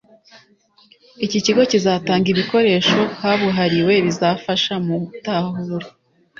Iki kigo kizatanga ibikoresho kabuhariwe bizafasha mu gutahura